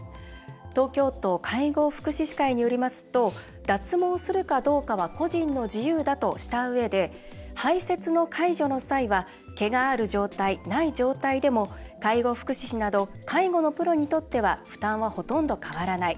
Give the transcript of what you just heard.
東京都介護福祉士会によりますと脱毛するかどうかは個人の自由だとしたうえで排せつの介助の際は毛がある状態、ない状態でも介護福祉士など介護のプロにとっては負担は、ほとんど変わらない。